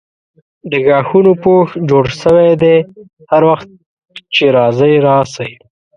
د غاښونو پوښ جوړ سوی دی هر وخت چې راځئ راسئ.